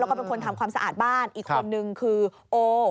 แล้วก็เป็นคนทำความสะอาดบ้านอีกคนนึงคือโอ